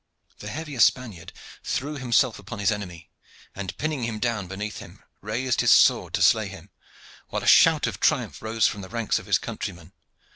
The heavier Spaniard threw himself upon his enemy, and pinning him down beneath him raised his sword to slay him, while a shout of triumph rose from the ranks of his countrymen.